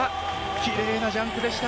きれいなジャンプでした。